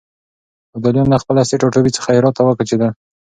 ابداليان له خپل اصلي ټاټوبي څخه هرات ته وکوچېدل.